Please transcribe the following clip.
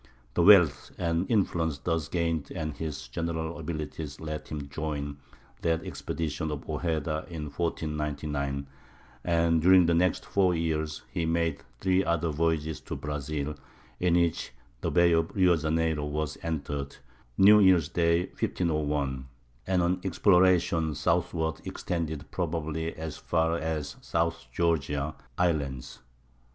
The wealth and influence thus gained and his general abilities led him to join that expedition of Ojeda in 1499, and during the next four years he made three other voyages to Brazil, in which the bay of Rio Janeiro was entered (New Year's day, 1501), and an exploration southward extended probably as far as South Georgia (Islands).